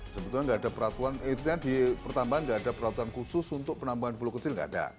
sebetulnya di pertambangan tidak ada peraturan khusus untuk penambahan pulau kecil